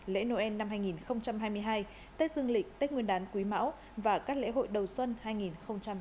lễ noel năm hai nghìn hai mươi hai tết dương lịch tết nguyên đán quý mão và các lễ hội đầu xuân hai nghìn hai mươi bốn